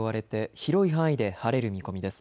広い範囲で晴れる見込みです。